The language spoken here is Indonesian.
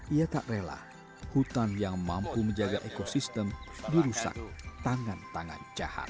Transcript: ia tak rela hutan yang mampu menjaga ekosistem dirusak tangan tangan jahat